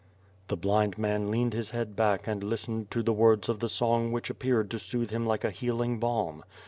The blind man leaned his head back and listened to the WITH FIRE AND SWORD, ^g words of the song which appeared to soothe him like a heal ing balm.